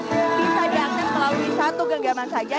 bisa diakses melalui satu genggaman saja